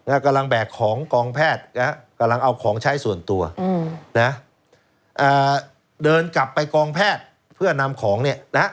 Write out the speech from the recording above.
กำลังแบกของกองแพทย์นะฮะกำลังเอาของใช้ส่วนตัวอืมนะอ่าเดินกลับไปกองแพทย์เพื่อนำของเนี่ยนะฮะ